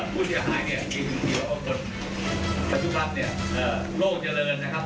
พูดอย่าหายเนี่ยคือว่าคนประชุมภัณฑ์โลกเจริญนะครับ